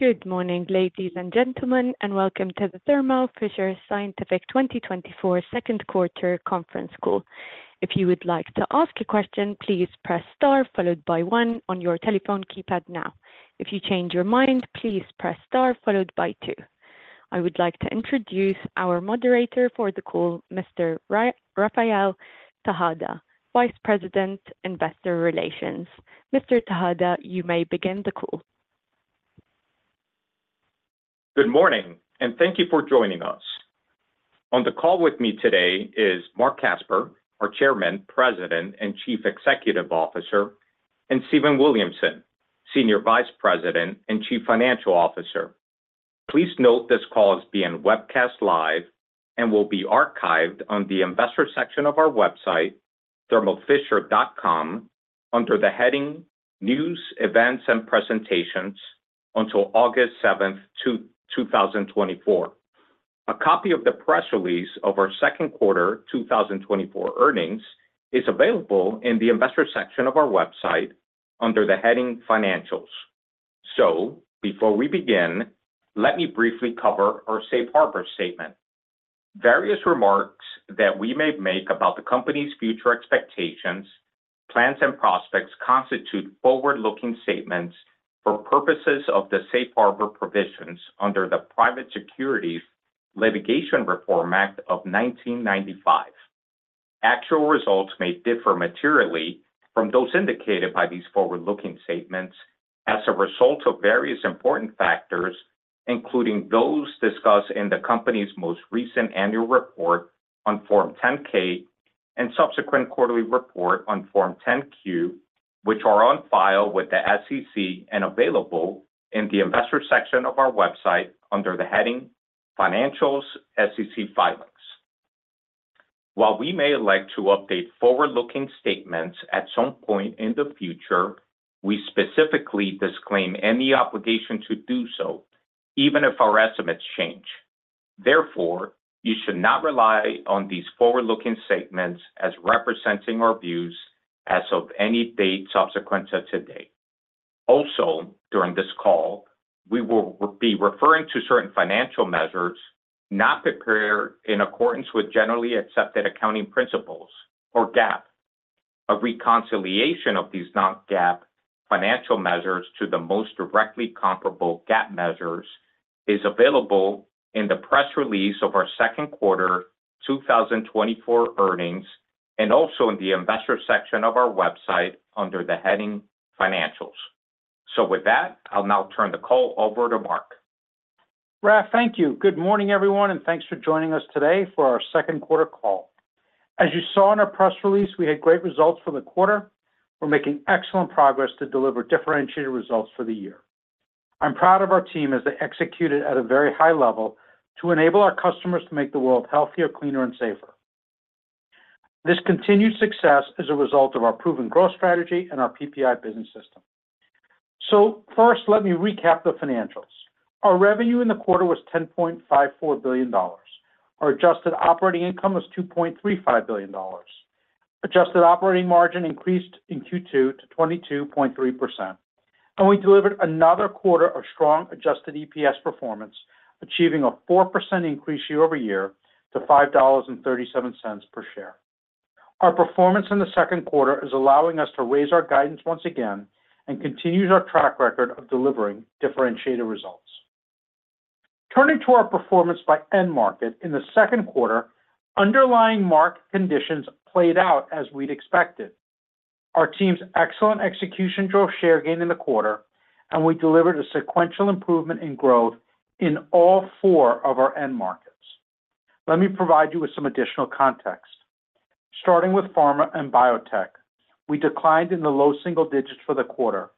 Good morning, ladies and gentlemen, and welcome to the Thermo Fisher Scientific 2024 second quarter conference call. If you would like to ask a question, please press star followed by one on your telephone keypad now. If you change your mind, please press star followed by two. I would like to introduce our moderator for the call, Mr. Rafael Tejada, Vice President, Investor Relations. Mr. Tejada, you may begin the call. Good morning, and thank you for joining us. On the call with me today is Marc Casper, our Chairman, President, and Chief Executive Officer, and Stephen Williamson, Senior Vice President and Chief Financial Officer. Please note this call is being webcast live and will be archived on the investor section of our website, thermofisher.com, under the heading News, Events, and Presentations until August 7, 2024. A copy of the press release of our second quarter 2024 earnings is available in the investor section of our website under the heading Financials. So before we begin, let me briefly cover our safe harbor statement. Various remarks that we may make about the company's future expectations, plans, and prospects constitute forward-looking statements for purposes of the safe harbor provisions under the Private Securities Litigation Reform Act of 1995. Actual results may differ materially from those indicated by these forward-looking statements as a result of various important factors, including those discussed in the company's most recent annual report on Form 10-K and subsequent quarterly report on Form 10-Q, which are on file with the SEC and available in the investor section of our website under the heading Financials, SEC Filings. While we may elect to update forward-looking statements at some point in the future, we specifically disclaim any obligation to do so, even if our estimates change. Therefore, you should not rely on these forward-looking statements as representing our views as of any date subsequent to today. Also, during this call, we will be referring to certain financial measures not prepared in accordance with generally accepted accounting principles, or GAAP. A reconciliation of these non-GAAP financial measures to the most directly comparable GAAP measures is available in the press release of our second quarter 2024 earnings, and also in the investor section of our website under the heading Financials. So with that, I'll now turn the call over to Marc. Raf, thank you. Good morning, everyone, and thanks for joining us today for our second quarter call. As you saw in our press release, we had great results for the quarter. We're making excellent progress to deliver differentiated results for the year. I'm proud of our team as they executed at a very high level to enable our customers to make the world healthier, cleaner, and safer. This continued success is a result of our proven growth strategy and our PPI business system. So first, let me recap the financials. Our revenue in the quarter was $10.54 billion. Our adjusted operating income was $2.35 billion. Adjusted operating margin increased in Q2 to 22.3%, and we delivered another quarter of strong adjusted EPS performance, achieving a 4% increase year-over-year to $5.37 per share. Our performance in the second quarter is allowing us to raise our guidance once again and continues our track record of delivering differentiated results. Turning to our performance by end market. In the second quarter, underlying market conditions played out as we'd expected. Our team's excellent execution drove share gain in the quarter, and we delivered a sequential improvement in growth in all 4 of our end markets. Let me provide you with some additional context. Starting with pharma and biotech, we declined in the low single digits for the quarter.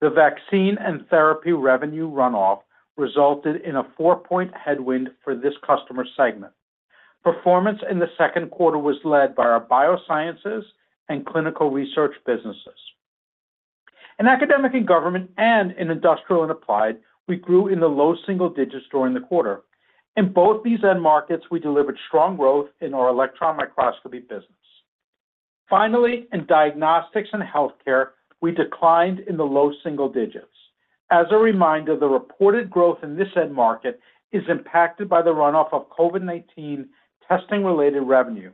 The vaccine and therapy revenue runoff resulted in a 4-point headwind for this customer segment. Performance in the second quarter was led by our biosciences and clinical research businesses. In academic and government and in industrial and applied, we grew in the low single digits during the quarter. In both these end markets, we delivered strong growth in our Electron Microscopy business. Finally, in diagnostics and healthcare, we declined in the low single digits. As a reminder, the reported growth in this end market is impacted by the runoff of COVID-19 testing-related revenue.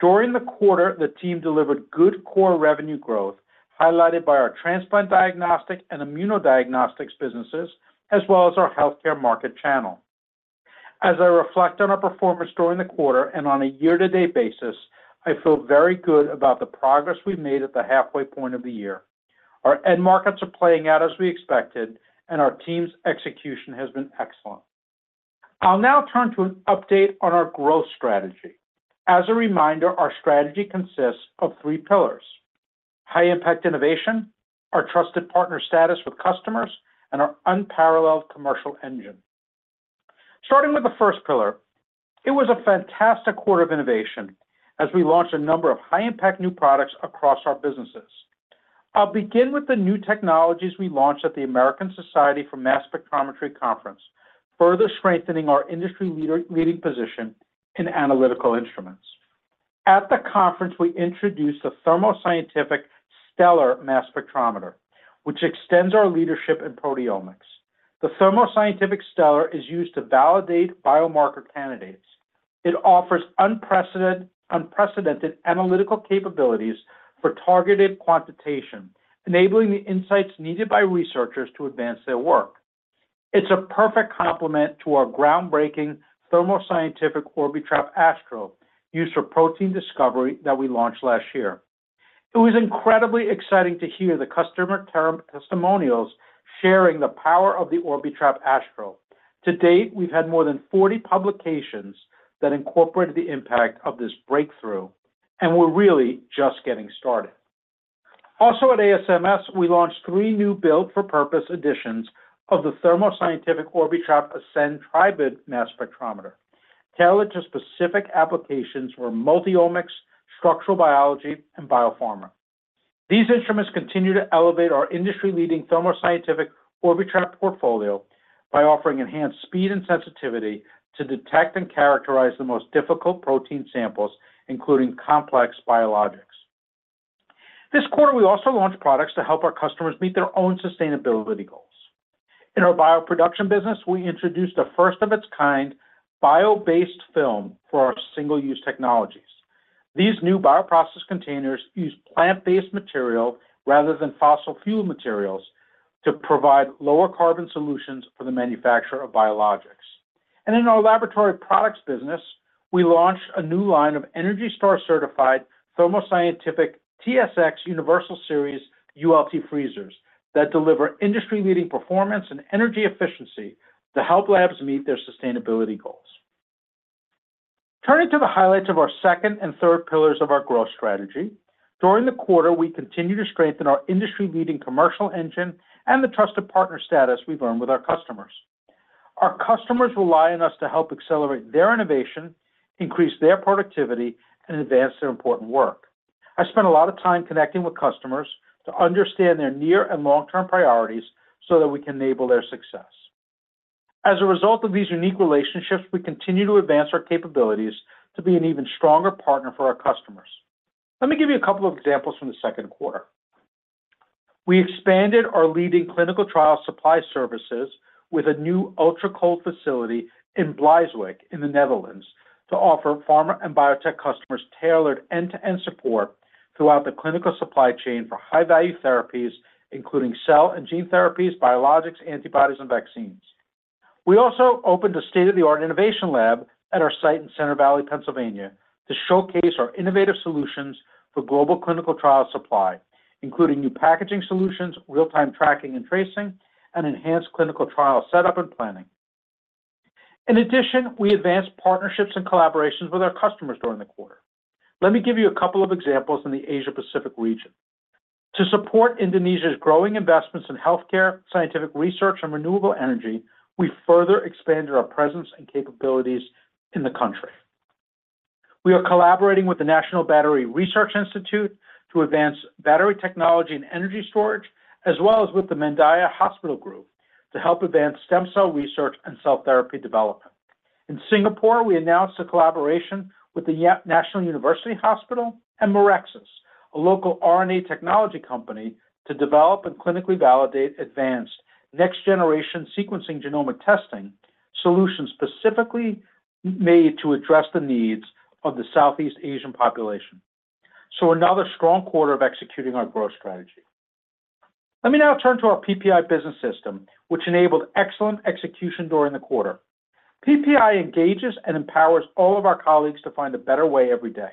During the quarter, the team delivered good core revenue growth, highlighted by our transplant diagnostic and immunodiagnostics businesses, as well as our healthcare market channel. As I reflect on our performance during the quarter and on a year-to-date basis, I feel very good about the progress we've made at the halfway point of the year. Our end markets are playing out as we expected, and our team's execution has been excellent. I'll now turn to an update on our growth strategy. As a reminder, our strategy consists of three pillars: high-impact innovation, our trusted partner status with customers, and our unparalleled commercial engine. Starting with the first pillar, it was a fantastic quarter of innovation as we launched a number of high-impact new products across our businesses. I'll begin with the new technologies we launched at the American Society for Mass Spectrometry Conference, further strengthening our leading position in analytical instruments. At the conference, we introduced the Thermo Scientific Stellar Mass Spectrometer, which extends our leadership in proteomics. The Thermo Scientific Stellar is used to validate biomarker candidates. It offers unprecedented analytical capabilities for targeted quantitation, enabling the insights needed by researchers to advance their work. It's a perfect complement to our groundbreaking Thermo Scientific Orbitrap Astral, used for protein discovery that we launched last year. It was incredibly exciting to hear the customer testimonials sharing the power of the Orbitrap Astral. To date, we've had more than 40 publications that incorporated the impact of this breakthrough, and we're really just getting started. Also, at ASMS, we launched three new build-for-purpose editions of the Thermo Scientific Orbitrap Ascend Tribrid Mass Spectrometer, tailored to specific applications for multi-omics, structural biology, and biopharma. These instruments continue to elevate our industry-leading Thermo Scientific Orbitrap portfolio by offering enhanced speed and sensitivity to detect and characterize the most difficult protein samples, including complex biologics. This quarter, we also launched products to help our customers meet their own sustainability goals. In our bioproduction business, we introduced a first-of-its-kind bio-based film for our single-use technologies. These new bioprocess containers use plant-based material rather than fossil fuel materials to provide lower carbon solutions for the manufacture of biologics. In our laboratory products business, we launched a new line of ENERGY STAR certified Thermo Scientific TSX Universal Series ULT Freezers that deliver industry-leading performance and energy efficiency to help labs meet their sustainability goals. Turning to the highlights of our second and third pillars of our growth strategy, during the quarter, we continued to strengthen our industry-leading commercial engine and the trusted partner status we've earned with our customers. Our customers rely on us to help accelerate their innovation, increase their productivity, and advance their important work. I spent a lot of time connecting with customers to understand their near and long-term priorities so that we can enable their success. As a result of these unique relationships, we continue to advance our capabilities to be an even stronger partner for our customers. Let me give you a couple of examples from the second quarter. We expanded our leading clinical trial supply services with a new ultracold facility in Bleiswijk in the Netherlands, to offer pharma and biotech customers tailored end-to-end support throughout the clinical supply chain for high-value therapies, including cell and gene therapies, biologics, antibodies, and vaccines. We also opened a state-of-the-art innovation lab at our site in Center Valley, Pennsylvania, to showcase our innovative solutions for global clinical trial supply, including new packaging solutions, real-time tracking and tracing, and enhanced clinical trial setup and planning. In addition, we advanced partnerships and collaborations with our customers during the quarter. Let me give you a couple of examples in the Asia Pacific region. To support Indonesia's growing investments in healthcare, scientific research, and renewable energy, we further expanded our presence and capabilities in the country. We are collaborating with the National Battery Research Institute to advance battery technology and energy storage, as well as with the Mandaya Hospital Group to help advance stem cell research and cell therapy development. In Singapore, we announced a collaboration with the National University Hospital and Mirxes, a local RNA technology company, to develop and clinically validate advanced next-generation sequencing genomic testing solutions specifically made to address the needs of the Southeast Asian population. So another strong quarter of executing our growth strategy. Let me now turn to our PPI business system, which enabled excellent execution during the quarter. PPI engages and empowers all of our colleagues to find a better way every day.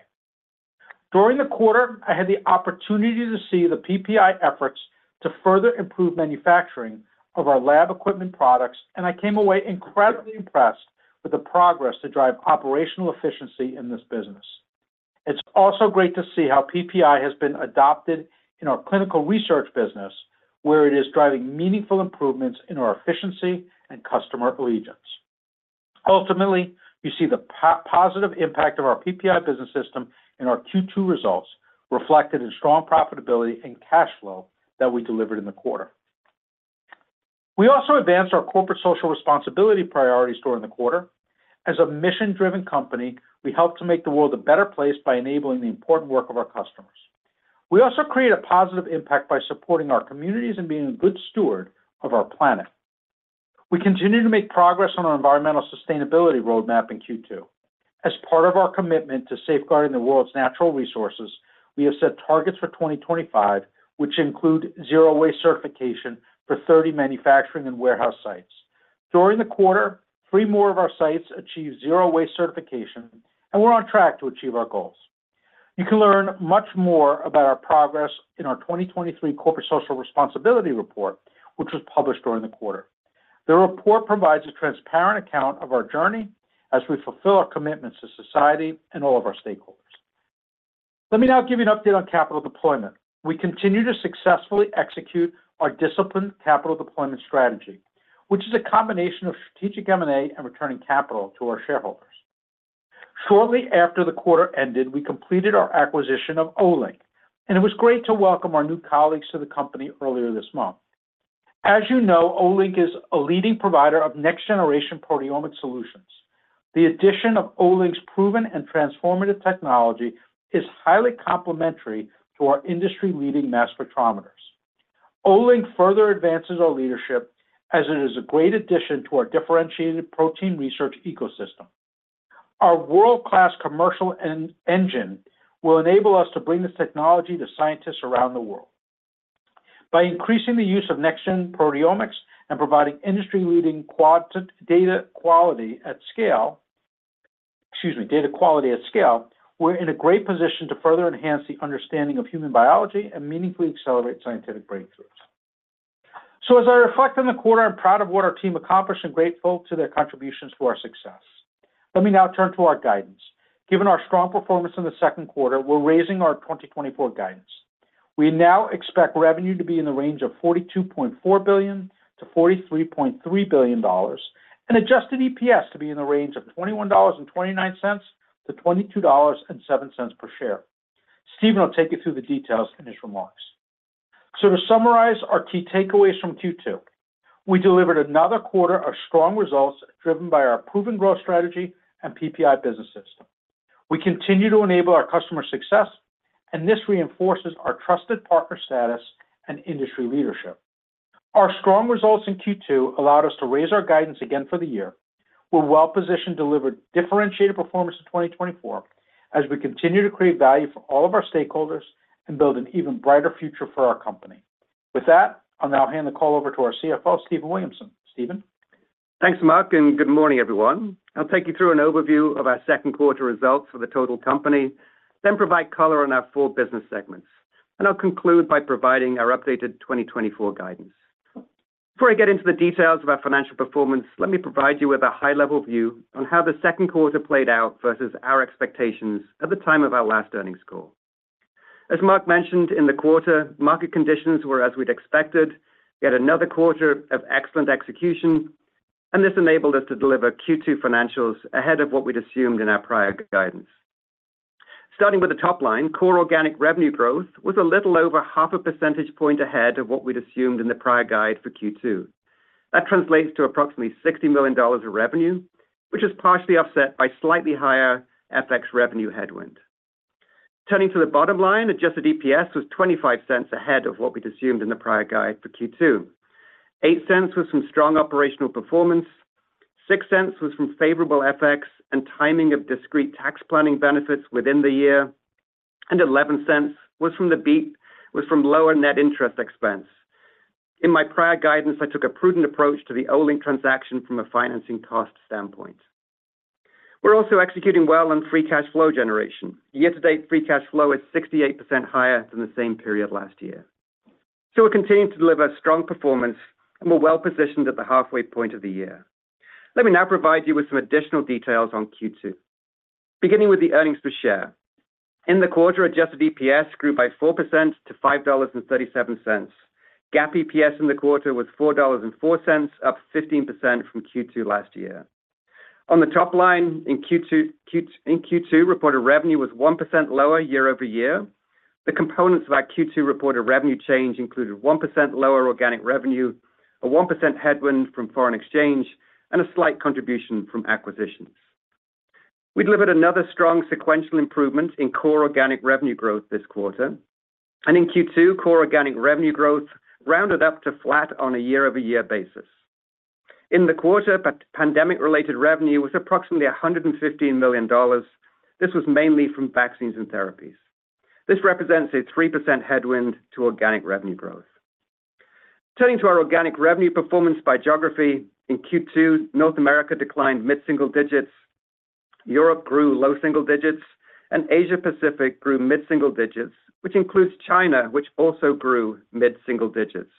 During the quarter, I had the opportunity to see the PPI efforts to further improve manufacturing of our lab equipment products, and I came away incredibly impressed with the progress to drive operational efficiency in this business. It's also great to see how PPI has been adopted in our clinical research business, where it is driving meaningful improvements in our efficiency and customer allegiance. Ultimately, you see the positive impact of our PPI business system in our Q2 results, reflected in strong profitability and cash flow that we delivered in the quarter. We also advanced our corporate social responsibility priorities during the quarter. As a mission-driven company, we help to make the world a better place by enabling the important work of our customers. We also create a positive impact by supporting our communities and being a good steward of our planet. We continue to make progress on our environmental sustainability roadmap in Q2. As part of our commitment to safeguarding the world's natural resources, we have set targets for 2025, which include zero waste certification for 30 manufacturing and warehouse sites. During the quarter, 3 more of our sites achieved zero waste certification, and we're on track to achieve our goals. You can learn much more about our progress in our 2023 Corporate Social Responsibility Report, which was published during the quarter. The report provides a transparent account of our journey as we fulfill our commitments to society and all of our stakeholders. Let me now give you an update on capital deployment. We continue to successfully execute our disciplined capital deployment strategy, which is a combination of strategic M&A and returning capital to our shareholders. Shortly after the quarter ended, we completed our acquisition of Olink, and it was great to welcome our new colleagues to the company earlier this month. As you know, Olink is a leading provider of next generation proteomic solutions. The addition of Olink's proven and transformative technology is highly complementary to our industry-leading mass spectrometers. Olink further advances our leadership as it is a great addition to our differentiated protein research ecosystem. Our world-class commercial engine will enable us to bring this technology to scientists around the world. By increasing the use of next-gen proteomics and providing industry-leading data quality at scale, excuse me, data quality at scale, we're in a great position to further enhance the understanding of human biology and meaningfully accelerate scientific breakthroughs. So as I reflect on the quarter, I'm proud of what our team accomplished and grateful to their contributions to our success. Let me now turn to our guidance. Given our strong performance in the second quarter, we're raising our 2024 guidance. We now expect revenue to be in the range of $42.4 billion-$43.3 billion, and Adjusted EPS to be in the range of $21.29-$22.07 per share. Stephen will take you through the details in his remarks. So to summarize our key takeaways from Q2, we delivered another quarter of strong results, driven by our proven growth strategy and PPI Business System. We continue to enable our customer success, and this reinforces our trusted partner status and industry leadership. Our strong results in Q2 allowed us to raise our guidance again for the year. We're well positioned to deliver differentiated performance in 2024 as we continue to create value for all of our stakeholders and build an even brighter future for our company. With that, I'll now hand the call over to our CFO, Stephen Williamson. Stephen? Thanks, Mark, and good morning, everyone. I'll take you through an overview of our second quarter results for the total company, then provide color on our four business segments. I'll conclude by providing our updated 2024 guidance. Before I get into the details of our financial performance, let me provide you with a high-level view on how the second quarter played out versus our expectations at the time of our last earnings call. As Marc mentioned, in the quarter, market conditions were as we'd expected, yet another quarter of excellent execution, and this enabled us to deliver Q2 financials ahead of what we'd assumed in our prior guidance. Starting with the top line, core organic revenue growth was a little over 0.5 percentage point ahead of what we'd assumed in the prior guide for Q2. That translates to approximately $60 million of revenue, which is partially offset by slightly higher FX revenue headwind. Turning to the bottom line, Adjusted EPS was $0.25 ahead of what we'd assumed in the prior guide for Q2. Eight cents was from strong operational performance, six cents was from favorable FX and timing of discrete tax planning benefits within the year, and eleven cents was from lower net interest expense. In my prior guidance, I took a prudent approach to the Olink transaction from a financing cost standpoint. We're also executing well on free cash flow generation. Year-to-date, free cash flow is 68% higher than the same period last year. So we're continuing to deliver strong performance, and we're well positioned at the halfway point of the year. Let me now provide you with some additional details on Q2. Beginning with the earnings per share. In the quarter, adjusted EPS grew by 4% to $5.37. GAAP EPS in the quarter was $4.04, up 15% from Q2 last year. On the top line, in Q2, reported revenue was 1% lower year-over-year. The components of our Q2 reported revenue change included 1% lower organic revenue, a 1% headwind from foreign exchange, and a slight contribution from acquisitions. We delivered another strong sequential improvement in core organic revenue growth this quarter, and in Q2, core organic revenue growth rounded up to flat on a year-over-year basis. In the quarter, pandemic-related revenue was approximately $115 million. This was mainly from vaccines and therapies. This represents a 3% headwind to organic revenue growth. Turning to our organic revenue performance by geography, in Q2, North America declined mid-single digits, Europe grew low single digits, and Asia Pacific grew mid-single digits, which includes China, which also grew mid-single digits.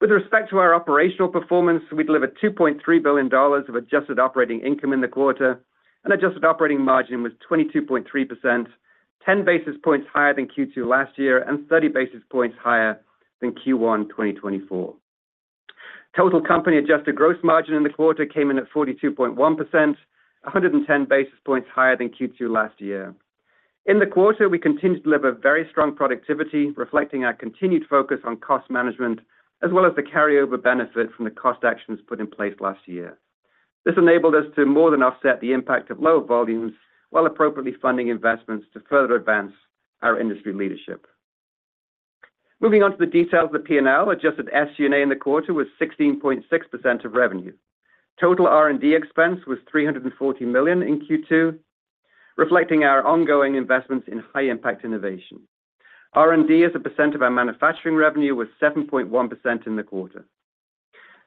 With respect to our operational performance, we delivered $2.3 billion of adjusted operating income in the quarter, and adjusted operating margin was 22.3%, 10 basis points higher than Q2 last year and 30 basis points higher than Q1 2024. Total company adjusted gross margin in the quarter came in at 42.1%, 110 basis points higher than Q2 last year. In the quarter, we continued to deliver very strong productivity, reflecting our continued focus on cost management, as well as the carryover benefit from the cost actions put in place last year. This enabled us to more than offset the impact of lower volumes while appropriately funding investments to further advance our industry leadership. Moving on to the details of the P&L, adjusted SG&A in the quarter was 16.6% of revenue. Total R&D expense was $340 million in Q2, reflecting our ongoing investments in high-impact innovation. R&D, as a percent of our manufacturing revenue, was 7.1% in the quarter.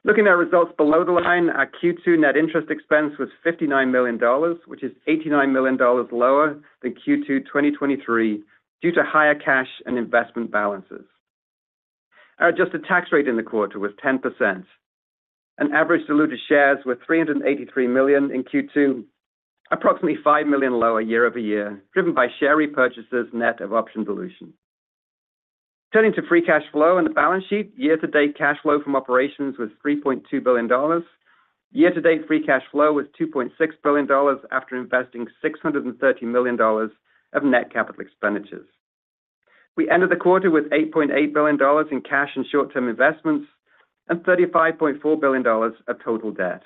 Looking at our results below the line, our Q2 net interest expense was $59 million, which is $89 million lower than Q2 2023 due to higher cash and investment balances. Our adjusted tax rate in the quarter was 10%, and average diluted shares were 383 million in Q2, approximately 5 million lower year over year, driven by share repurchases net of option dilution. Turning to free cash flow and the balance sheet, year-to-date cash flow from operations was $3.2 billion. Year-to-date, free cash flow was $2.6 billion after investing $630 million of net capital expenditures. We ended the quarter with $8.8 billion in cash and short-term investments, and $35.4 billion of total debt.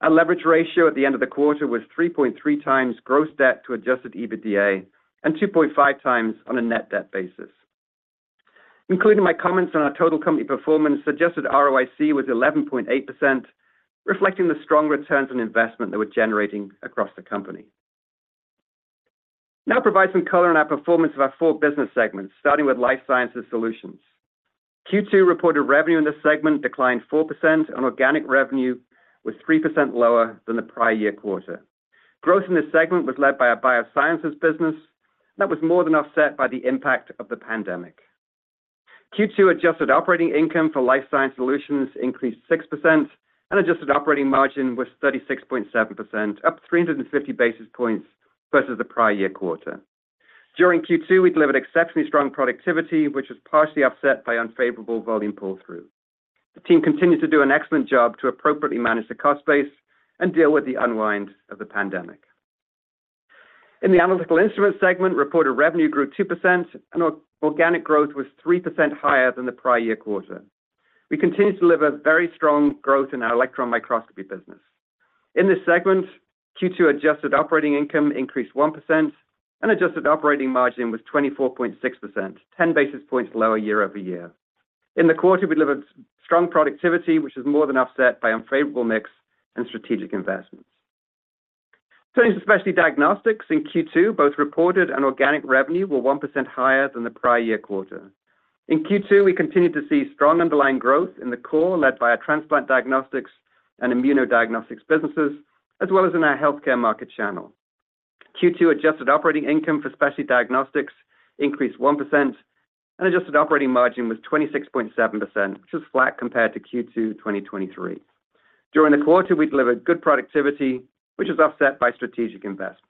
Our leverage ratio at the end of the quarter was 3.3 times gross debt to adjusted EBITDA, and 2.5 times on a net debt basis. Including my comments on our total company performance, adjusted ROIC was 11.8%, reflecting the strong returns on investment that we're generating across the company. Now I'll provide some color on our performance of our four business segments, starting with Life Sciences Solutions. Q2 reported revenue in this segment declined 4%, and organic revenue was 3% lower than the prior year quarter. Growth in this segment was led by our Biosciences business. That was more than offset by the impact of the pandemic. Q2 adjusted operating income for Life Sciences Solutions increased 6%, and adjusted operating margin was 36.7%, up 350 basis points versus the prior year quarter. During Q2, we delivered exceptionally strong productivity, which was partially offset by unfavorable volume pull-through. The team continued to do an excellent job to appropriately manage the cost base and deal with the unwind of the pandemic. In the Analytical Instruments segment, reported revenue grew 2%, and organic growth was 3% higher than the prior year quarter. We continued to deliver very strong growth in our Electron Microscopy business. In this segment, Q2 adjusted operating income increased 1%, and adjusted operating margin was 24.6%, 10 basis points lower year-over-year. In the quarter, we delivered strong productivity, which is more than offset by unfavorable mix and strategic investments. Turning to Specialty Diagnostics, in Q2, both reported and organic revenue were 1% higher than the prior year quarter. In Q2, we continued to see strong underlying growth in the core, led by our transplant diagnostics and immunodiagnostics businesses, as well as in our healthcare market channel. Q2 adjusted operating income for Specialty Diagnostics increased 1%, and adjusted operating margin was 26.7%, which was flat compared to Q2 2023. During the quarter, we delivered good productivity, which was offset by strategic investments.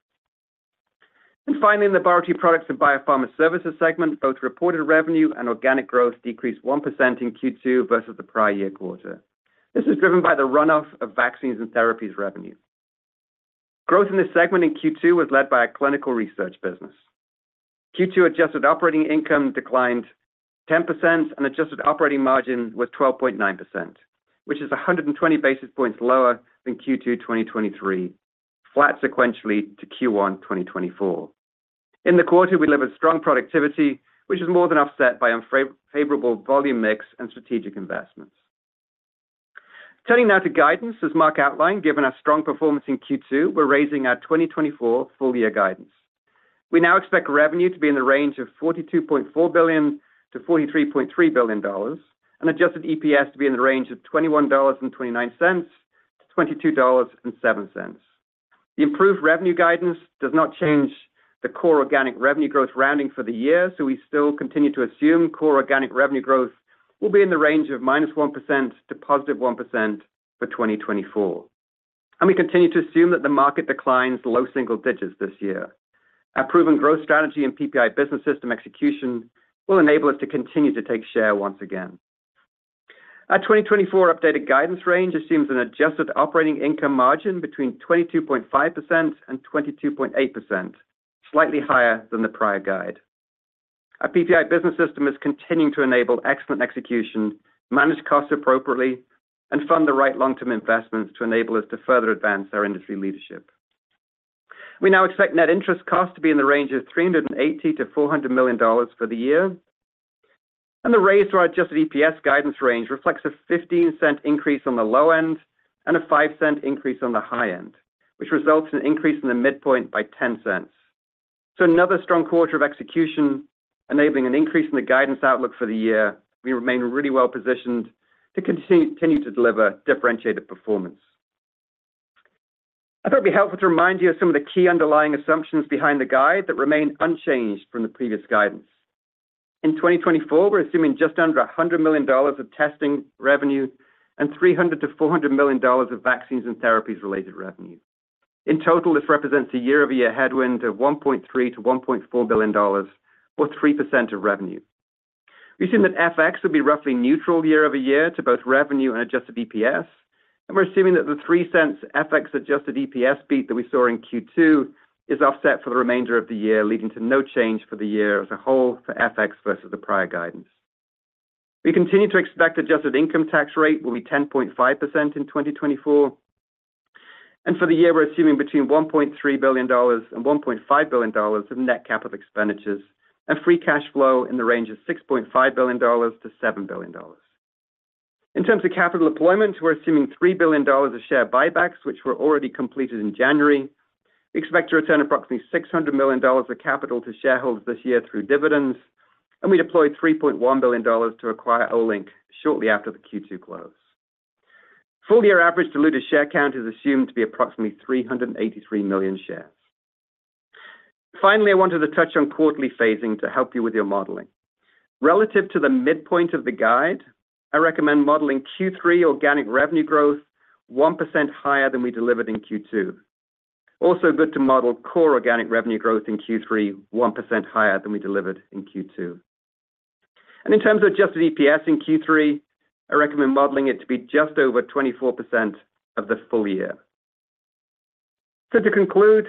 Finally, in the Biotechnology Products and Biopharma Services segment, both reported revenue and organic growth decreased 1% in Q2 versus the prior year quarter. This was driven by the runoff of vaccines and therapies revenue. Growth in this segment in Q2 was led by our clinical research business. Q2 adjusted operating income declined 10%, and adjusted operating margin was 12.9%, which is 120 basis points lower than Q2 2023, flat sequentially to Q1 2024. In the quarter, we delivered strong productivity, which is more than offset by unfavorable volume mix and strategic investments. Turning now to guidance, as Marc outlined, given our strong performance in Q2, we're raising our 2024 full-year guidance. We now expect revenue to be in the range of $42.4 billion-$43.3 billion, and Adjusted EPS to be in the range of $21.29-$22.07. The improved revenue guidance does not change the core organic revenue growth rounding for the year, so we still continue to assume core organic revenue growth will be in the range of -1% to +1% for 2024. We continue to assume that the market declines low single digits this year. Our proven growth strategy and PPI Business System execution will enable us to continue to take share once again. Our 2024 updated guidance range assumes an adjusted operating income margin between 22.5% and 22.8%, slightly higher than the prior guide. Our PPI Business System is continuing to enable excellent execution, manage costs appropriately, and fund the right long-term investments to enable us to further advance our industry leadership. We now expect net interest costs to be in the range of $300 million-$400 million for the year, and the raise to our Adjusted EPS guidance range reflects a $0.15 increase on the low end and a $0.05 increase on the high end, which results in an increase in the midpoint by $0.10. Another strong quarter of execution, enabling an increase in the guidance outlook for the year. We remain really well positioned to continue to deliver differentiated performance. I thought it'd be helpful to remind you of some of the key underlying assumptions behind the guide that remain unchanged from the previous guidance. In 2024, we're assuming just under $100 million of testing revenue and $300 million-$400 million of vaccines and therapies related revenue. In total, this represents a year-over-year headwind of $1.3 billion-$1.4 billion or 3% of revenue. We assume that FX will be roughly neutral year-over-year to both revenue and adjusted EPS, and we're assuming that the 3 cents FX-adjusted EPS beat that we saw in Q2 is offset for the remainder of the year, leading to no change for the year as a whole for FX versus the prior guidance. We continue to expect adjusted income tax rate will be 10.5% in 2024, and for the year, we're assuming between $1.3 billion and $1.5 billion in net capital expenditures and free cash flow in the range of $6.5 billion to $7 billion. In terms of capital deployment, we're assuming $3 billion of share buybacks, which were already completed in January. We expect to return approximately $600 million of capital to shareholders this year through dividends, and we deployed $3.1 billion to acquire Olink shortly after the Q2 close. Full-year average diluted share count is assumed to be approximately 383 million shares. Finally, I wanted to touch on quarterly phasing to help you with your modeling. Relative to the midpoint of the guide, I recommend modeling Q3 organic revenue growth 1% higher than we delivered in Q2. Also, good to model core organic revenue growth in Q3, 1% higher than we delivered in Q2.... And in terms of Adjusted EPS in Q3, I recommend modeling it to be just over 24% of the full year. To conclude,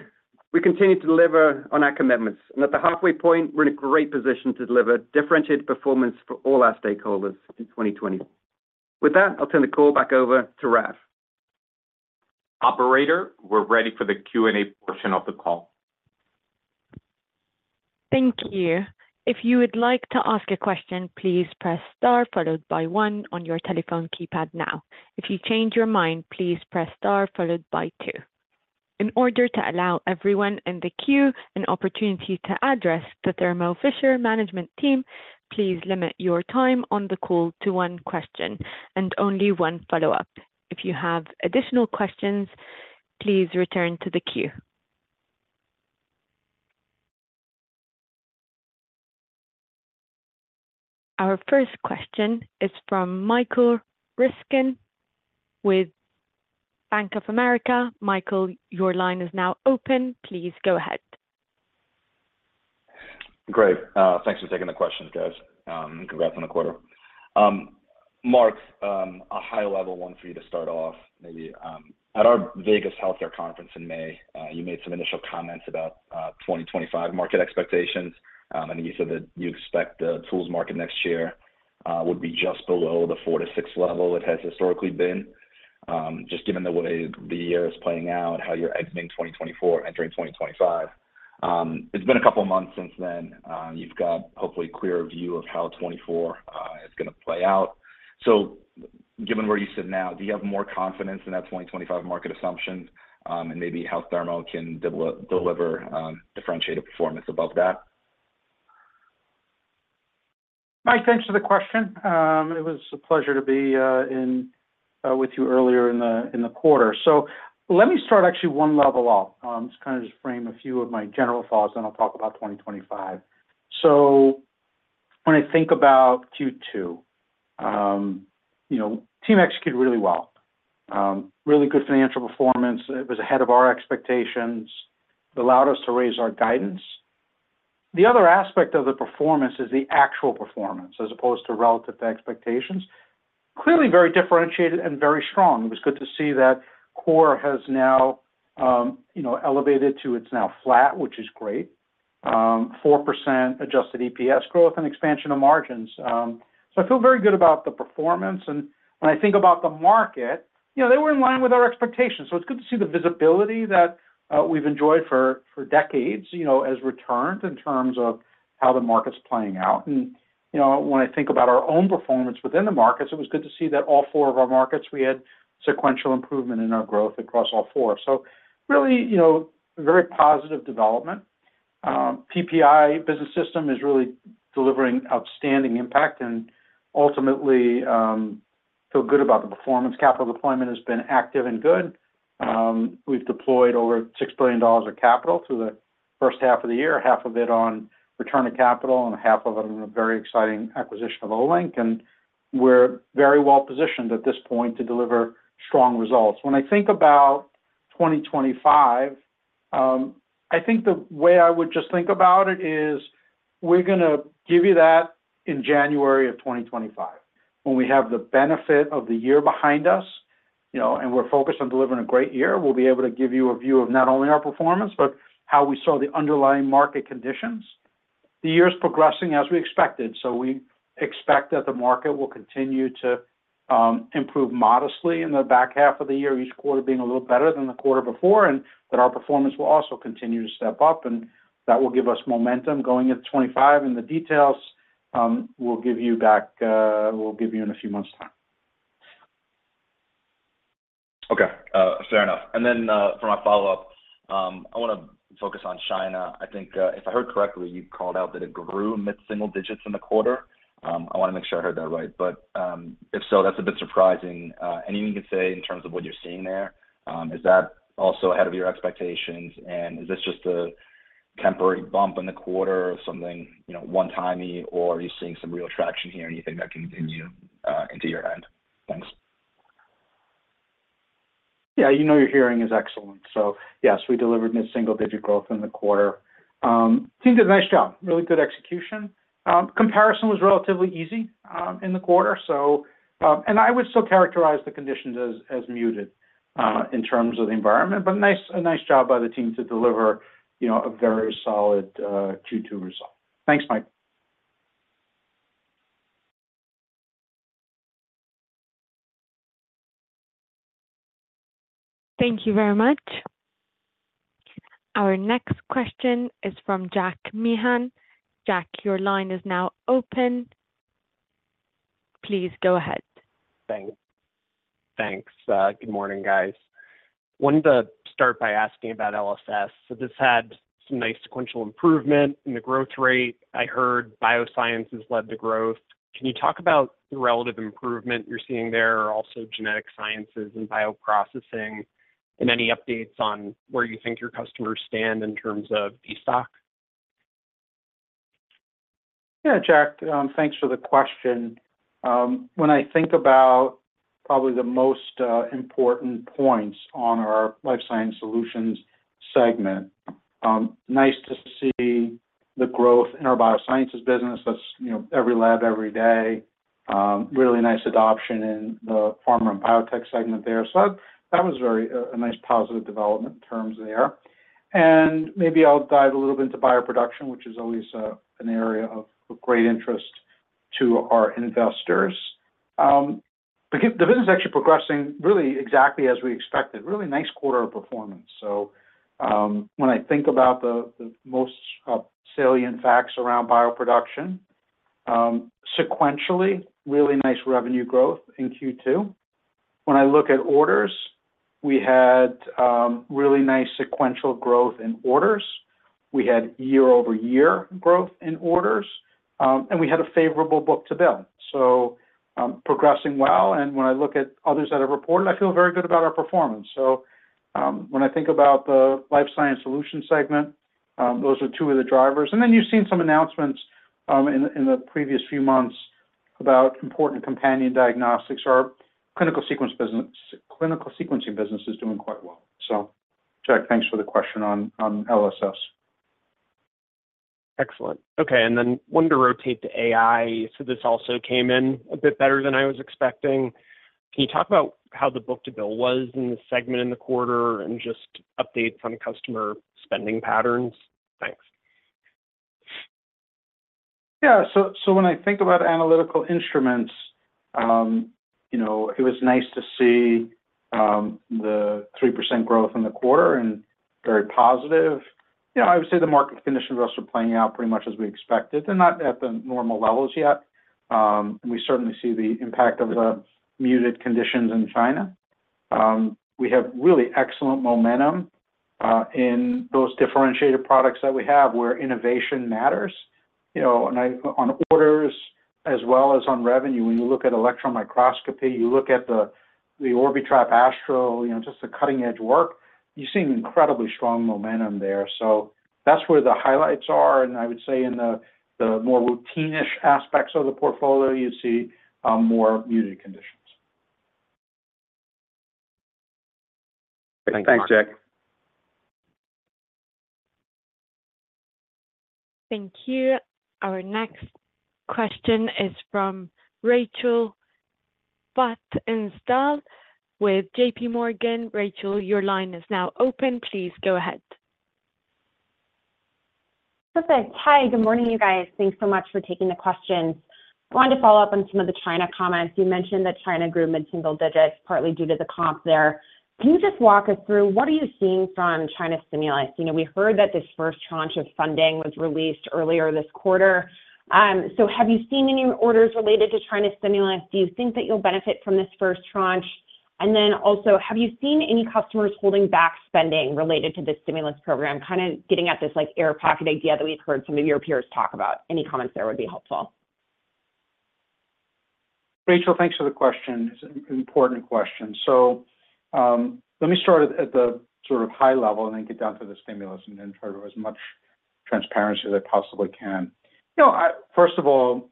we continue to deliver on our commitments, and at the halfway point, we're in a great position to deliver differentiated performance for all our stakeholders in 2020. With that, I'll turn the call back over to Raf. Operator, we're ready for the Q&A portion of the call. Thank you. If you would like to ask a question, please press star, followed by 1 on your telephone keypad now. If you change your mind, please press star followed by 2. In order to allow everyone in the queue an opportunity to address the Thermo Fisher management team, please limit your time on the call to one question and only one follow-up. If you have additional questions, please return to the queue. Our first question is from Michael Ryskin with Bank of America. Michael, your line is now open. Please go ahead. Great. Thanks for taking the questions, guys. Congrats on the quarter. Marc, a high-level one for you to start off, maybe. At our Vegas Healthcare Conference in May, you made some initial comments about 2025 market expectations, and you said that you expect the tools market next year would be just below the 4-6 level it has historically been. Just given the way the year is playing out, how you're exiting 2024, entering 2025, it's been a couple of months since then. You've got, hopefully, a clearer view of how 2024 is going to play out. So given where you sit now, do you have more confidence in that 2025 market assumption, and maybe how Thermo can deliver differentiated performance above that? Mike, thanks for the question. It was a pleasure to be with you earlier in the quarter. So let me start actually one level up, just kind of frame a few of my general thoughts, then I'll talk about 2025. So when I think about Q2, you know, team executed really well. Really good financial performance. It was ahead of our expectations. It allowed us to raise our guidance. The other aspect of the performance is the actual performance, as opposed to relative to expectations. Clearly very differentiated and very strong. It was good to see that core has now, you know, elevated to it's now flat, which is great. 4% adjusted EPS growth and expansion of margins. So I feel very good about the performance. When I think about the market, you know, they were in line with our expectations, so it's good to see the visibility that we've enjoyed for decades, you know, has returned in terms of how the market's playing out. You know, when I think about our own performance within the markets, it was good to see that all four of our markets, we had sequential improvement in our growth across all four. Really, you know, very positive development. PPI Business System is really delivering outstanding impact and ultimately feel good about the performance. Capital deployment has been active and good. We've deployed over $6 billion of capital through the first half of the year, half of it on return of capital and half of it on a very exciting acquisition of Olink, and we're very well positioned at this point to deliver strong results. When I think about 2025, I think the way I would just think about it is, we're gonna give you that in January of 2025, when we have the benefit of the year behind us, you know, and we're focused on delivering a great year. We'll be able to give you a view of not only our performance, but how we saw the underlying market conditions. The year is progressing as we expected, so we expect that the market will continue to improve modestly in the back half of the year, each quarter being a little better than the quarter before, and that our performance will also continue to step up, and that will give us momentum going into 2025, and the details, we'll give you in a few months' time. Okay, fair enough. And then, for my follow-up, I want to focus on China. I think, if I heard correctly, you called out that it grew mid-single digits in the quarter. I want to make sure I heard that right. But, if so, that's a bit surprising. Anything you can say in terms of what you're seeing there? Is that also ahead of your expectations? And is this just a temporary bump in the quarter or something, you know, one-timey, or are you seeing some real traction here and you think that can continue, into your end? Thanks. Yeah, you know, your hearing is excellent. So yes, we delivered mid-single-digit growth in the quarter. Team did a nice job, really good execution. Comparison was relatively easy in the quarter, so. I would still characterize the conditions as muted in terms of the environment, but a nice job by the team to deliver, you know, a very solid Q2 result. Thanks, Mike. Thank you very much. Our next question is from Jack Meehan. Jack, your line is now open. Please go ahead. Thanks. Thanks. Good morning, guys. Wanted to start by asking about LSS. So this had some nice sequential improvement in the growth rate. I heard biosciences led to growth. Can you talk about the relative improvement you're seeing there, or also genetic sciences and bioprocessing, and any updates on where you think your customers stand in terms of stock? Yeah, Jack, thanks for the question. When I think about probably the most important points on our Life Sciences Solutions segment, nice to see the growth in our biosciences business. That's, you know, every lab, every day. Really nice adoption in the pharma and biotech segment there. So that was very a nice positive development in terms there. And maybe I'll dive a little bit into Bioproduction, which is always an area of great interest to our investors. The business is actually progressing really exactly as we expected. Really nice quarter of performance. So, when I think about the most salient facts around Bioproduction, sequentially, really nice revenue growth in Q2. When I look at orders, we had really nice sequential growth in orders. We had year-over-year growth in orders, and we had a favorable book-to-bill, so progressing well. When I look at others that have reported, I feel very good about our performance. So, when I think about the Life Science Solutions segment, those are two of the drivers. Then you've seen some announcements in the previous few months about important companion diagnostics. Our clinical sequencing business is doing quite well. Jack, thanks for the question on LSS. Excellent. Okay, and then wanted to rotate to AI. So this also came in a bit better than I was expecting. Can you talk about how the book-to-bill was in the segment in the quarter, and just updates on customer spending patterns? Thanks. Yeah. So when I think about analytical instruments, you know, it was nice to see the 3% growth in the quarter, and very positive. You know, I would say the market conditions are also playing out pretty much as we expected. They're not at the normal levels yet, and we certainly see the impact of the muted conditions in China. We have really excellent momentum in those differentiated products that we have, where innovation matters, you know, and on orders as well as on revenue, when you look at electron microscopy, you look at the Orbitrap Astral, you know, just the cutting-edge work, you're seeing incredibly strong momentum there. So that's where the highlights are, and I would say in the more routine-ish aspects of the portfolio, you see more muted conditions. Thank you. Thanks, Jack. Thank you. Our next question is from Rachel Vatnsdal with JP Morgan. Rachel, your line is now open. Please go ahead. Perfect. Hi, good morning, you guys. Thanks so much for taking the questions. Wanted to follow up on some of the China comments. You mentioned that China grew mid-single digits, partly due to the comp there. Can you just walk us through what are you seeing from China stimulus? You know, we heard that this first tranche of funding was released earlier this quarter. So have you seen any orders related to China stimulus? Do you think that you'll benefit from this first tranche? And then also, have you seen any customers holding back spending related to this stimulus program? Kind of getting at this, like, air pocket idea that we've heard some of your peers talk about. Any comments there would be helpful. Rachel, thanks for the question. It's an important question. So, let me start at the sort of high level and then get down to the stimulus and then try to have as much transparency as I possibly can. You know, I first of all,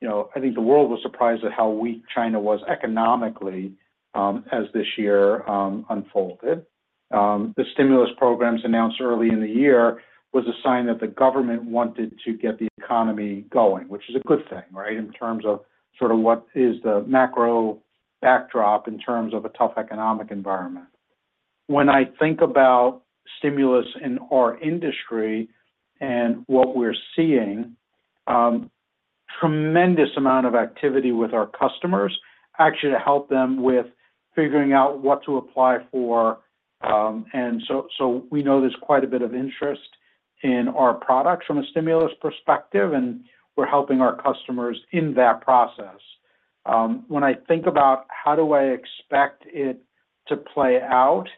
you know, I think the world was surprised at how weak China was economically, as this year unfolded. The stimulus programs announced early in the year was a sign that the government wanted to get the economy going, which is a good thing, right? In terms of sort of what is the macro backdrop in terms of a tough economic environment. When I think about stimulus in our industry and what we're seeing, tremendous amount of activity with our customers, actually, to help them with figuring out what to apply for. And so we know there's quite a bit of interest in our products from a stimulus perspective, and we're helping our customers in that process. When I think about how do I expect it to play out,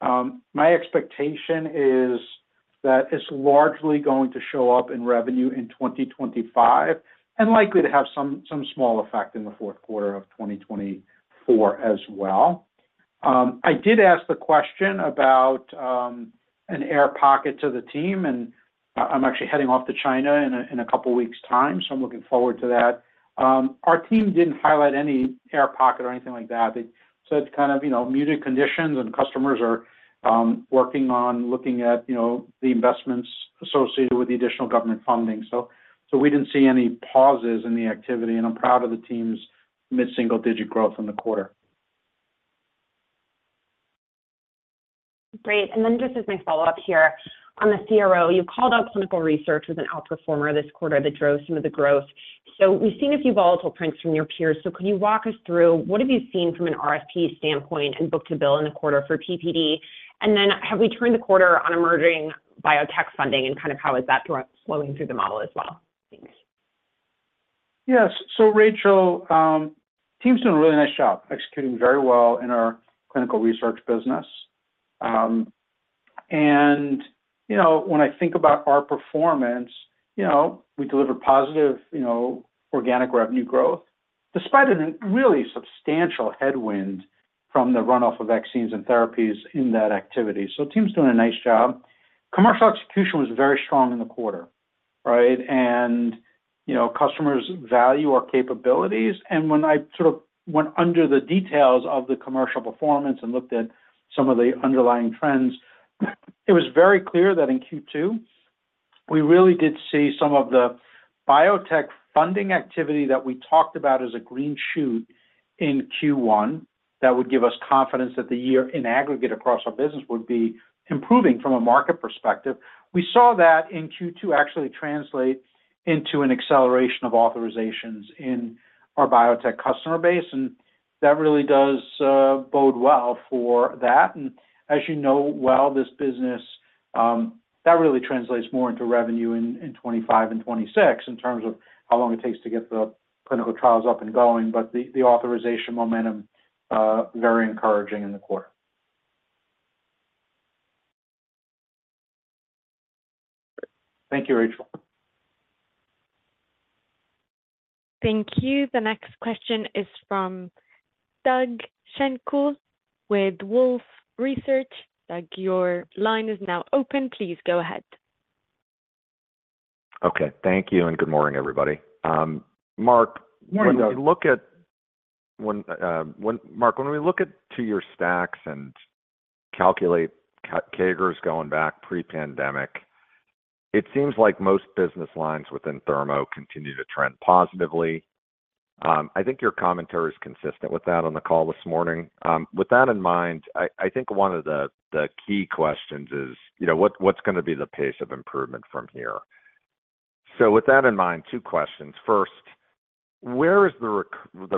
my expectation is that it's largely going to show up in revenue in 2025, and likely to have some small effect in the fourth quarter of 2024 as well. I did ask the question about an air pocket to the team, and I'm actually heading off to China in a couple of weeks' time, so I'm looking forward to that. Our team didn't highlight any air pocket or anything like that. They said kind of, you know, muted conditions and customers are working on looking at, you know, the investments associated with the additional government funding. So, we didn't see any pauses in the activity, and I'm proud of the team's mid-single-digit growth in the quarter. Great. And then just as my follow-up here, on the CRO, you called out clinical research as an outperformer this quarter that drove some of the growth. So we've seen a few volatile prints from your peers. So can you walk us through what have you seen from an RFP standpoint and book to bill in the quarter for PPD? And then have we turned the corner on emerging biotech funding, and kind of how is that flowing through the model as well? Thanks. Yes. So Rachel, team's doing a really nice job, executing very well in our clinical research business. And you know, when I think about our performance, you know, we delivered positive, you know, organic revenue growth, despite a really substantial headwind from the runoff of vaccines and therapies in that activity. So team's doing a nice job. Commercial execution was very strong in the quarter. Right? And, you know, customers value our capabilities, and when I sort of went under the details of the commercial performance and looked at some of the underlying trends, it was very clear that in Q2, we really did see some of the biotech funding activity that we talked about as a green shoot in Q1, that would give us confidence that the year in aggregate across our business would be improving from a market perspective. We saw that in Q2 actually translate into an acceleration of authorizations in our biotech customer base, and that really does bode well for that. And as you know well, this business, that really translates more into revenue in 2025 and 2026, in terms of how long it takes to get the clinical trials up and going. But the authorization momentum very encouraging in the quarter. Thank you, Rachel. Thank you. The next question is from Doug Schenkel, with Wolfe Research. Doug, your line is now open. Please go ahead. Okay. Thank you, and good morning, everybody. Marc- Good morning, Doug. When we look at, Marc, when we look at your stacks and calculate CAGRs going back pre-pandemic, it seems like most business lines within Thermo continue to trend positively. I think your commentary is consistent with that on the call this morning. With that in mind, I think one of the key questions is, you know, what's gonna be the pace of improvement from here? So with that in mind, two questions. First, where is the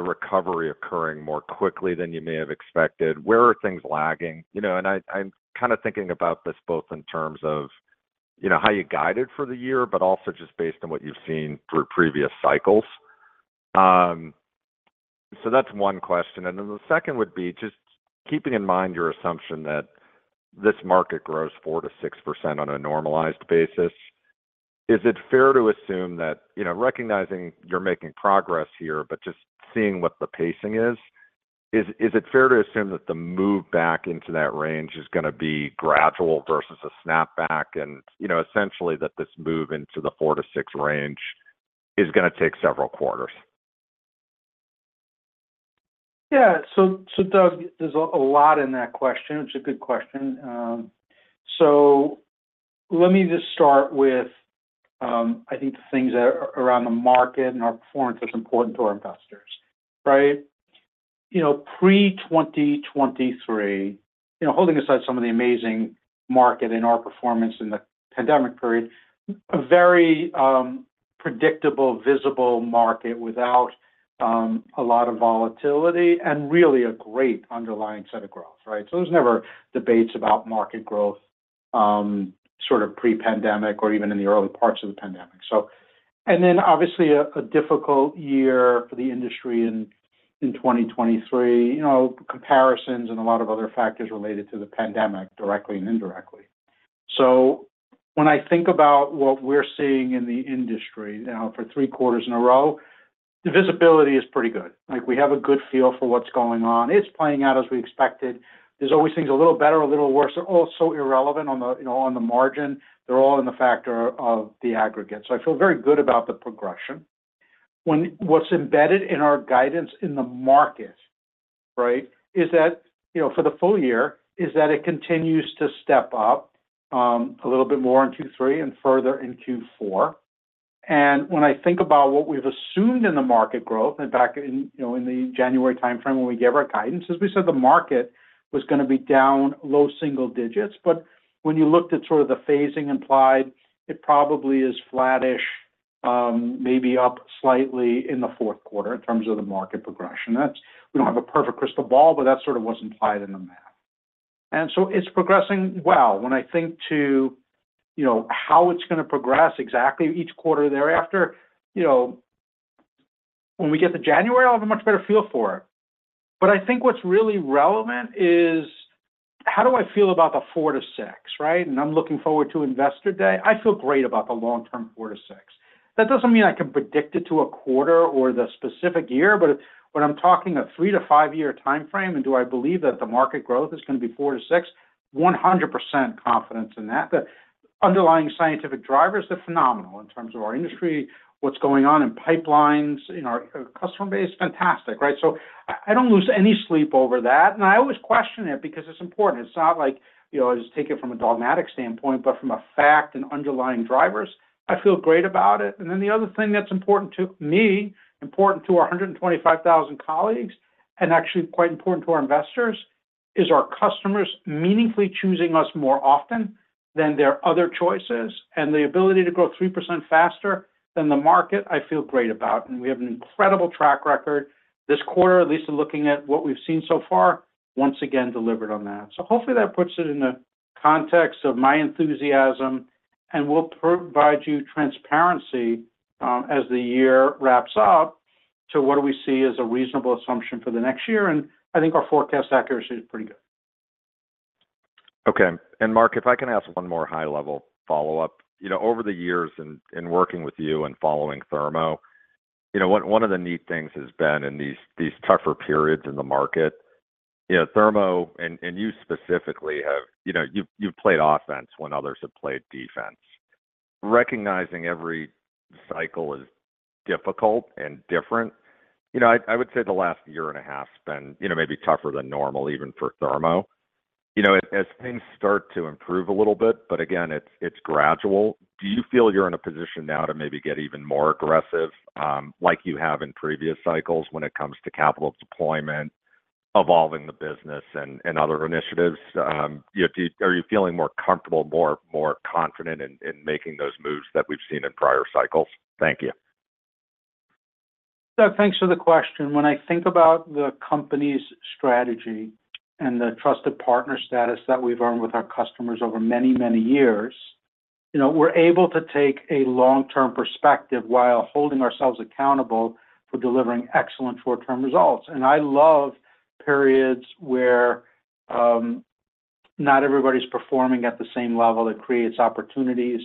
recovery occurring more quickly than you may have expected? Where are things lagging? You know, and I'm kind of thinking about this both in terms of, you know, how you guided for the year, but also just based on what you've seen through previous cycles. So that's one question. And then the second would be just keeping in mind your assumption that this market grows 4%-6% on a normalized basis, is it fair to assume that, you know, recognizing you're making progress here, but just seeing what the pacing is, is it fair to assume that the move back into that range is gonna be gradual versus a snapback? And, you know, essentially that this move into the 4-6 range is gonna take several quarters. Yeah. So, Doug, there's a lot in that question. It's a good question. So let me just start with, I think the things that are around the market and our performance that's important to our investors, right? You know, pre-2023, you know, holding aside some of the amazing market and our performance in the pandemic period, a very, predictable, visible market without, a lot of volatility and really a great underlying set of growth, right? So there's never debates about market growth, sort of pre-pandemic or even in the early parts of the pandemic. So and then, obviously, a difficult year for the industry in 2023, you know, comparisons and a lot of other factors related to the pandemic, directly and indirectly. So when I think about what we're seeing in the industry now for three quarters in a row, the visibility is pretty good. Like, we have a good feel for what's going on. It's playing out as we expected. There's always things a little better or a little worse. They're all so irrelevant on the, you know, on the margin. They're all in the factor of the aggregate. So I feel very good about the progression. When what's embedded in our guidance in the market, right, is that, you know, for the full year, is that it continues to step up, a little bit more in Q3 and further in Q4. And when I think about what we've assumed in the market growth, in fact, in, you know, in the January timeframe when we gave our guidance, as we said, the market was gonna be down low single digits, but when you looked at sort of the phasing implied, it probably is flattish, maybe up slightly in the fourth quarter in terms of the market progression. That's. We don't have a perfect crystal ball, but that sort of was implied in the math, and so it's progressing well. When I think to, you know, how it's gonna progress exactly each quarter thereafter, you know, when we get to January, I'll have a much better feel for it. But I think what's really relevant is, how do I feel about the 4-6, right? And I'm looking forward to Investor Day. I feel great about the long-term 4-6. That doesn't mean I can predict it to a quarter or the specific year, but when I'm talking a 3- to 5-year timeframe, and do I believe that the market growth is gonna be 4%-6%? 100% confidence in that. The underlying scientific drivers, they're phenomenal in terms of our industry, what's going on in pipelines, in our customer base, fantastic, right? So I, I don't lose any sleep over that, and I always question it because it's important. It's not like, you know, I just take it from a dogmatic standpoint, but from a fact and underlying drivers, I feel great about it. Then the other thing that's important to me, important to our 125,000 colleagues, and actually quite important to our investors, is our customers meaningfully choosing us more often than their other choices, and the ability to grow 3% faster than the market, I feel great about. We have an incredible track record this quarter, at least looking at what we've seen so far, once again, delivered on that. Hopefully, that puts it in the context of my enthusiasm, and we'll provide you transparency, as the year wraps up to what we see as a reasonable assumption for the next year, and I think our forecast accuracy is pretty good. Okay. Marc, if I can ask one more high-level follow-up. You know, over the years in working with you and following Thermo, you know, one of the neat things has been in these tougher periods in the market. Yeah, Thermo and you specifically have, you know, you've played offense when others have played defense. Recognizing every cycle is difficult and different, you know, I would say the last year and a half has been, you know, maybe tougher than normal, even for Thermo. You know, as things start to improve a little bit, but again, it's gradual. Do you feel you're in a position now to maybe get even more aggressive, like you have in previous cycles when it comes to capital deployment, evolving the business and other initiatives? You know, are you feeling more comfortable, more confident in making those moves that we've seen in prior cycles? Thank you. Doug, thanks for the question. When I think about the company's strategy and the trusted partner status that we've earned with our customers over many, many years, you know, we're able to take a long-term perspective while holding ourselves accountable for delivering excellent short-term results. I love periods where not everybody's performing at the same level. It creates opportunities.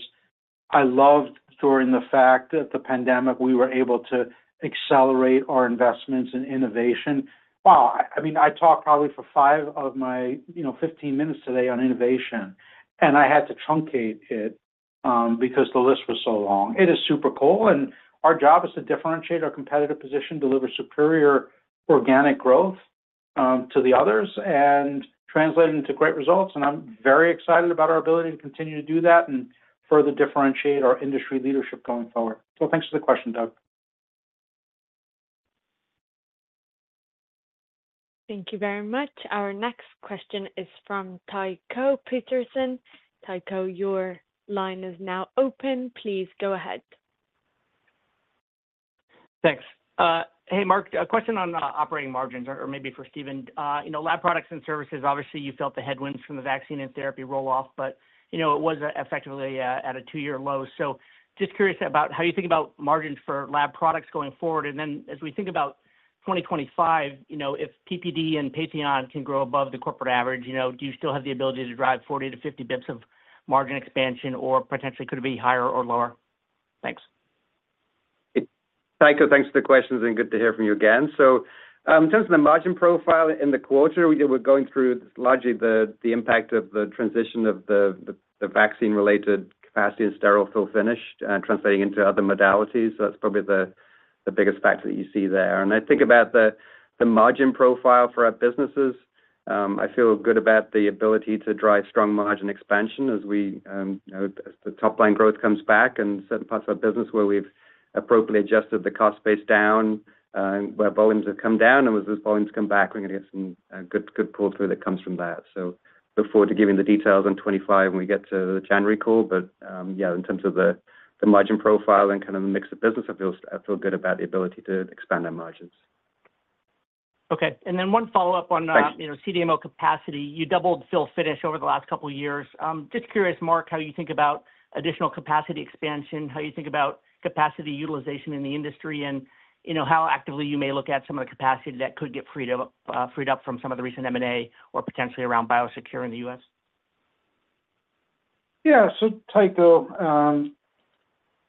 I loved the fact that during the pandemic, we were able to accelerate our investments in innovation. Well, I mean, I talked probably for five of my 15 minutes today on innovation, and I had to truncate it because the list was so long. It is super cool, and our job is to differentiate our competitive position, deliver superior organic growth to the others, and translate it into great results. I'm very excited about our ability to continue to do that and further differentiate our industry leadership going forward. Thanks for the question, Doug. Thank you very much. Our next question is from Tycho Peterson. Tycho, your line is now open. Please go ahead. Thanks. Hey, Marc, a question on operating margins or maybe for Stephen. You know, lab products and services, obviously, you felt the headwinds from the vaccine and therapy roll-off, but you know, it was effectively at a two-year low. So just curious about how you think about margins for lab products going forward. And then, as we think about 2025, you know, if PPD and Patheon can grow above the corporate average, you know, do you still have the ability to drive 40-50 basis points of margin expansion, or potentially could it be higher or lower? Thanks. Tycho, thanks for the questions, and good to hear from you again. So, in terms of the margin profile in the quarter, we're going through largely the impact of the transition of the vaccine-related capacity and sterile fill-finished and translating into other modalities. So that's probably the biggest factor that you see there. And I think about the margin profile for our businesses, I feel good about the ability to drive strong margin expansion as we, you know, as the top line growth comes back and certain parts of our business where we've appropriately adjusted the cost base down, and where volumes have come down, and as those volumes come back, we're gonna get some good pull-through that comes from that. So look forward to giving the details on 25 when we get to the January call. Yeah, in terms of the margin profile and kind of the mix of business, I feel good about the ability to expand our margins. Okay. And then one follow-up on, Thanks. You know, CDMO capacity. You doubled fill finish over the last couple of years. Just curious, Marc, how you think about additional capacity expansion, how you think about capacity utilization in the industry, and you know, how actively you may look at some of the capacity that could get freed up, freed up from some of the recent M&A or potentially around Biosecure in the U.S. Yeah. So, Tycho,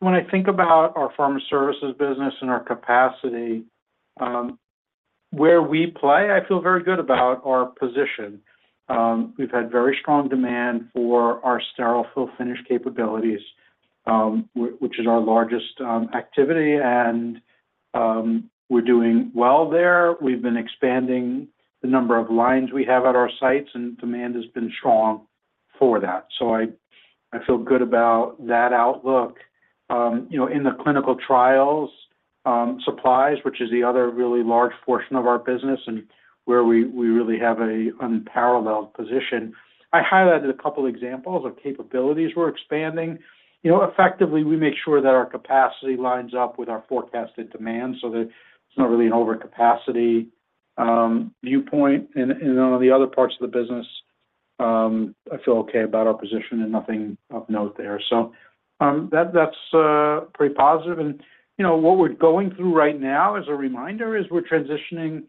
when I think about our pharma services business and our capacity, where we play, I feel very good about our position. We've had very strong demand for our sterile fill finish capabilities, which is our largest activity, and we're doing well there. We've been expanding the number of lines we have at our sites, and demand has been strong for that. So I feel good about that outlook. You know, in the clinical trials supplies, which is the other really large portion of our business and where we really have an unparalleled position, I highlighted a couple of examples of capabilities we're expanding. You know, effectively, we make sure that our capacity lines up with our forecasted demand so that it's not really an overcapacity viewpoint. And on the other parts of the business, I feel okay about our position and nothing of note there. So, that, that's pretty positive. And, you know, what we're going through right now, as a reminder, is we're transitioning,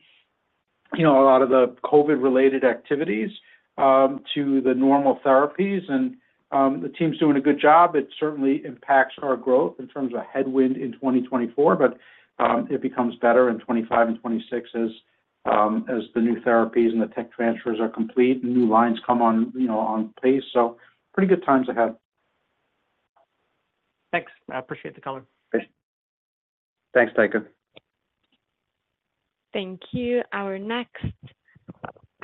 you know, a lot of the COVID-related activities, to the normal therapies, and, the team's doing a good job. It certainly impacts our growth in terms of headwind in 2024, but, it becomes better in 2025 and 2026 as, as the new therapies and the tech transfers are complete and new lines come on, you know, on pace. So pretty good times ahead. Thanks. I appreciate the color. Great. Thanks, Tycho. Thank you. Our next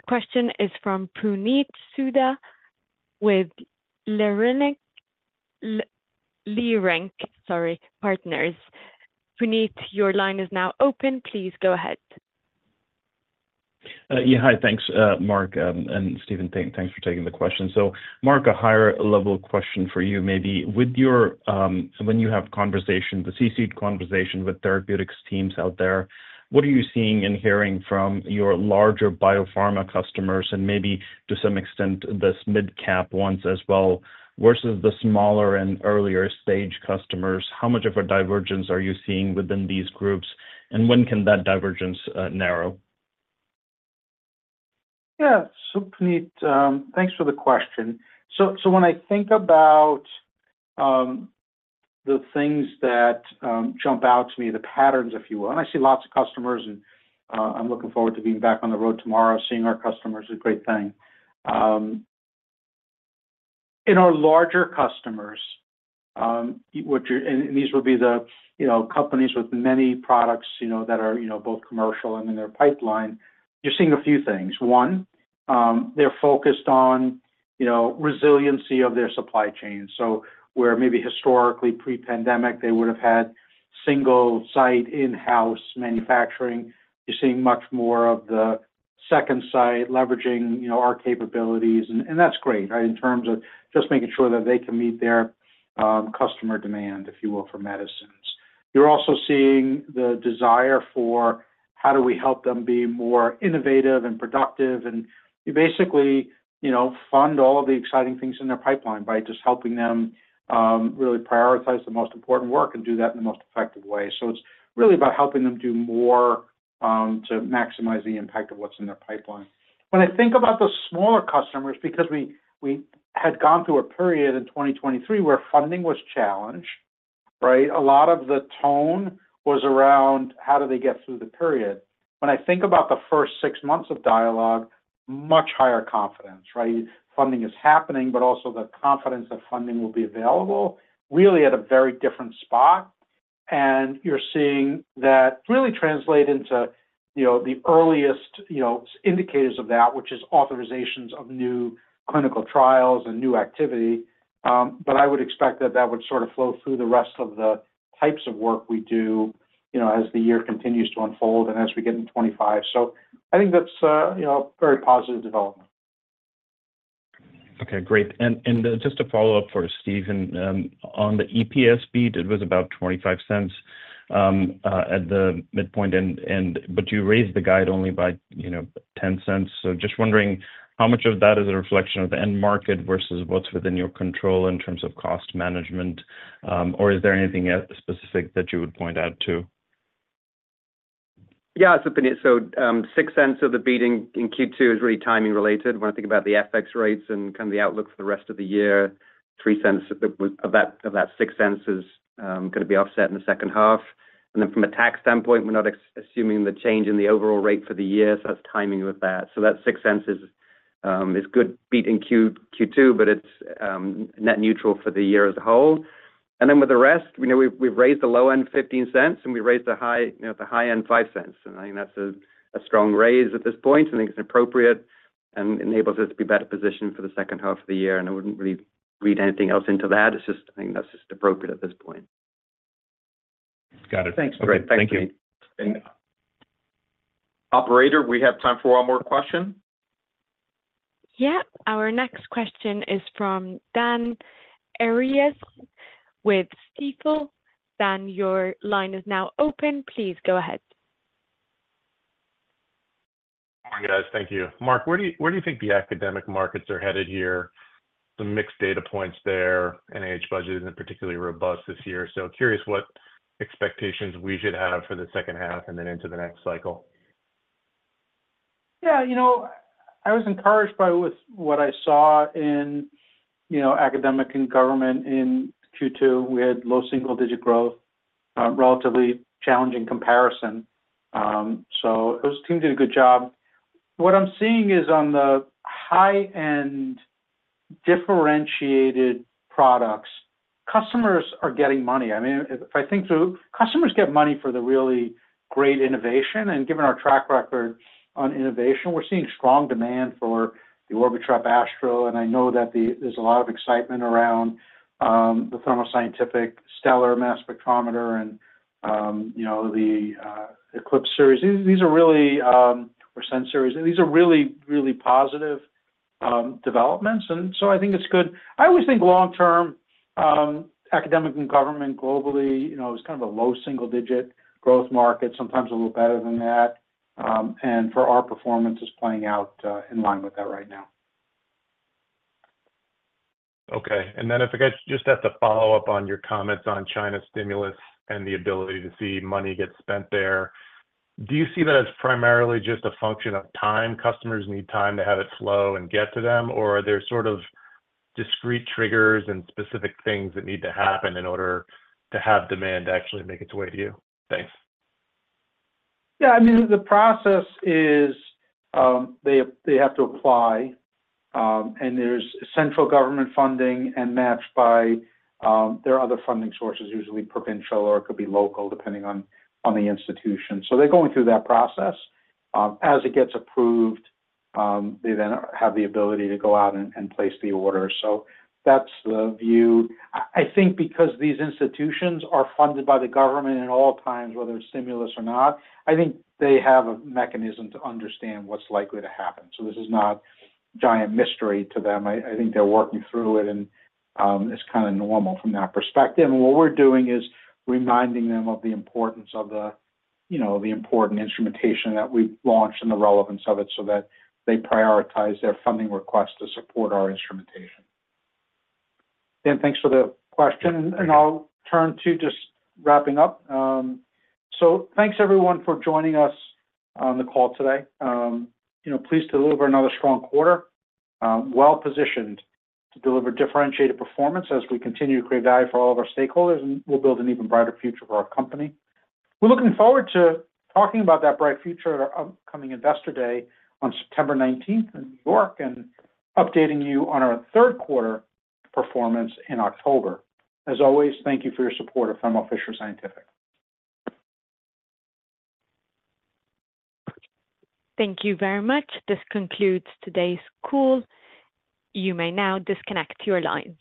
question is from Puneet Souda with Leerink Partners. Puneet, your line is now open. Please go ahead. Yeah, hi. Thanks, Marc, and Stephen, thanks for taking the question. So Marc, a higher level question for you maybe. With your... When you have conversation, the C-suite conversation with therapeutics teams out there, what are you seeing and hearing from your larger biopharma customers and maybe to some extent, the mid-cap ones as well, versus the smaller and earlier stage customers? How much of a divergence are you seeing within these groups, and when can that divergence narrow? Yeah. So Puneet, thanks for the question. So when I think about the things that jump out to me, the patterns, if you will, and I see lots of customers, and I'm looking forward to being back on the road tomorrow. Seeing our customers is a great thing. In our larger customers, which and these will be the, you know, companies with many products, you know, that are, you know, both commercial and in their pipeline, you're seeing a few things. One, they're focused on, you know, resiliency of their supply chain. So where maybe historically pre-pandemic, they would have had single-site, in-house manufacturing, you're seeing much more of the second site leveraging, you know, our capabilities, and that's great, right? In terms of just making sure that they can meet their customer demand, if you will, for medicines. You're also seeing the desire for how do we help them be more innovative and productive, and you basically, you know, fund all of the exciting things in their pipeline by just helping them, really prioritize the most important work and do that in the most effective way. So it's really about helping them do more, to maximize the impact of what's in their pipeline. When I think about the smaller customers, because we had gone through a period in 2023 where funding was challenged, right? A lot of the tone was around how do they get through the period. When I think about the first six months of dialogue, much higher confidence, right? Funding is happening, but also the confidence that funding will be available, really at a very different spot. You're seeing that really translate into, you know, the earliest, you know, indicators of that, which is authorizations of new clinical trials and new activity, but I would expect that that would sort of flow through the rest of the types of work we do, you know, as the year continues to unfold and as we get into 2025. So I think that's a, you know, very positive development. Okay, great. And just to follow up for Steve, and on the EPS beat, it was about $0.25 at the midpoint, and but you raised the guide only by, you know, $0.10. So just wondering, how much of that is a reflection of the end market versus what's within your control in terms of cost management? Or is there anything else specific that you would point out, too? Yeah, so, $0.06 of the beating in Q2 is really timing related. When I think about the FX rates and kind of the outlook for the rest of the year, $0.03 of that $0.06 is going to be offset in the second half. And then from a tax standpoint, we're not assuming the change in the overall rate for the year, so that's timing with that. So that $0.06 is good beat in Q2, but it's net neutral for the year as a whole. And then with the rest, we've raised the low end $0.15, and we raised the high, you know, the high end $0.05. And I think that's a strong raise at this point, and I think it's appropriate and enables us to be better positioned for the second half of the year, and I wouldn't really read anything else into that. It's just... I think that's just appropriate at this point. Got it. Thanks, great. Thank you. Thank you. Operator, we have time for one more question. Yeah. Our next question is from Dan Arias with Stifel. Dan, your line is now open. Please go ahead. Morning, guys. Thank you. Marc, where do you, where do you think the academic markets are headed here? The mixed data points there, NIH budget isn't particularly robust this year, so curious what expectations we should have for the second half and then into the next cycle. Yeah, you know, I was encouraged by what I saw in, you know, academic and government in Q2. We had low single-digit growth, relatively challenging comparison, so those teams did a good job. What I'm seeing is on the high-end differentiated products, customers are getting money. I mean, if I think through, customers get money for the really great innovation, and given our track record on innovation, we're seeing strong demand for the Orbitrap Astral, and I know that the—there's a lot of excitement around the Thermo Scientific Stellar mass spectrometer and, you know, the Eclipse series. These are really or Ascend series. These are really, really positive developments, and so I think it's good. I always think long term, academic and government globally, you know, is kind of a low single-digit growth market, sometimes a little better than that. And for our performance, it's playing out in line with that right now. Okay. And then if I could just ask a follow-up on your comments on China's stimulus and the ability to see money get spent there. Do you see that as primarily just a function of time, customers need time to have it flow and get to them, or are there sort of discrete triggers and specific things that need to happen in order to have demand actually make its way to you? Thanks. Yeah, I mean, the process is, they, they have to apply, and there's central government funding and matched by, there are other funding sources, usually provincial, or it could be local, depending on, on the institution. So they're going through that process. As it gets approved, they then have the ability to go out and, and place the order. So that's the view. I, I think because these institutions are funded by the government at all times, whether it's stimulus or not, I think they have a mechanism to understand what's likely to happen. So this is not a giant mystery to them. I, I think they're working through it and, it's kind of normal from that perspective. And what we're doing is reminding them of the importance of the, you know, the important instrumentation that we've launched and the relevance of it so that they prioritize their funding request to support our instrumentation. Dan, thanks for the question. And I'll turn to just wrapping up. So thanks, everyone, for joining us on the call today. You know, pleased to deliver another strong quarter, well-positioned to deliver differentiated performance as we continue to create value for all of our stakeholders, and we'll build an even brighter future for our company. We're looking forward to talking about that bright future at our upcoming Investor Day on September nineteenth in New York and updating you on our third quarter performance in October. As always, thank you for your support of Thermo Fisher Scientific. Thank you very much. This concludes today's call. You may now disconnect your lines.